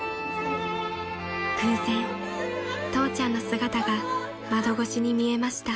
［偶然父ちゃんの姿が窓越しに見えました］